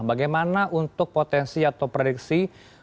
bagaimana untuk potensi atau prediksi